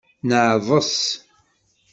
Neɛḍes.